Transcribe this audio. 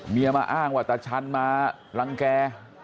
เมียมาอ้างว่าตะชันมาลังแก่